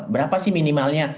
berapa sih minimalnya